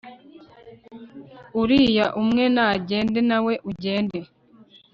uriya umwe nagende nawe ugende